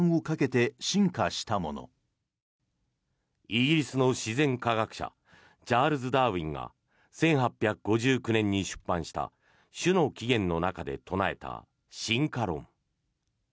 イギリスの自然科学者チャールズ・ダーウィンが１８５９年に出版した「種の起源」の中で唱えた進化論。